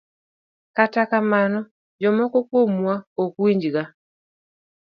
Kata kamano, jomoko kuomwa ok winjga.